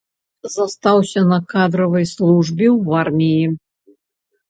Застаўся на кадравай службе ў арміі.